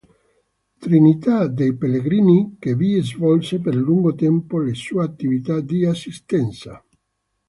Trinità dei Pellegrini che vi svolse per lungo tempo le sue attività di assistenza.